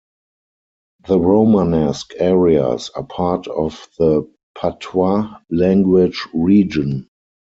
The Romanesque areas are part of the patois language region.